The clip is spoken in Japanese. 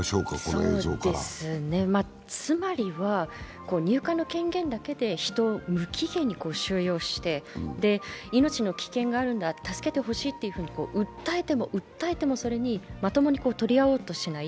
つまりは入管の権限だけで人を無期限に収容して命の危険があるんだ、助けてほしいと訴えても訴えても、それにまともに取り合おうとしない。